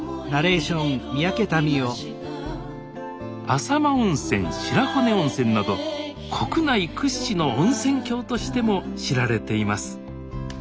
浅間温泉白骨温泉など国内屈指の温泉郷としても知られています